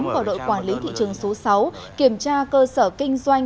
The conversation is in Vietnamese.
của đội quản lý thị trường số sáu kiểm tra cơ sở kinh doanh